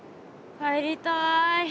帰りたい。